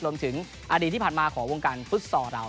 รวมถึงอดีตที่ผ่านมาของวงการฟุตซอลเรา